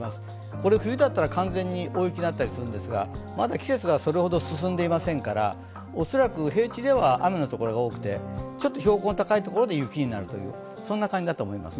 これ冬だったら完全に大雪になったりするんですが、まだ季節がそれほど進んでいませんから恐らく平地では雨のところが多くてちょっと標高の高いところで雪になる、そんな感じだと思います。